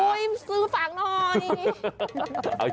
โอ้ยซื้อฝากหน่อย